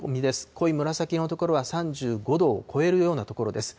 濃い紫色の所は３５度を超えるような所です。